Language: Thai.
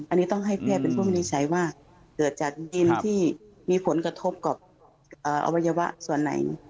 อันนี้ต้องให้แพทย์เป็นผู้วินิจฉัยว่าเกิดจากดินที่มีผลกระทบกับอวัยวะส่วนไหน